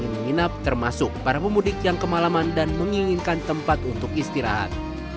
menginap termasuk para pemudik yang kemalaman dan menginginkan tempat untuk istirahat